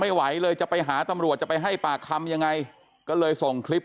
ไม่ไหวเลยจะไปหาตำรวจจะไปให้ปากคำยังไงก็เลยส่งคลิป